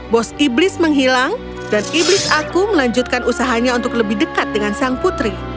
bos iblis menghilang dan iblis aku melanjutkan usahanya untuk lebih dekat dengan sang putri